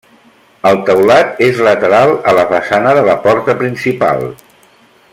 El teulat és lateral a la façana de la porta principal.